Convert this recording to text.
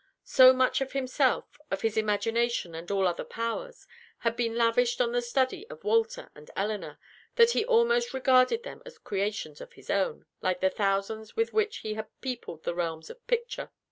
So much of himself of his imagination and all other powers had been lavished on the study of Walter and Elinor, that he almost regarded them as creations of his own, like the thousands with which he had peopled the realms of Picture.